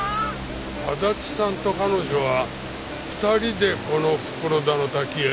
足立さんと彼女は２人でこの袋田の滝へ？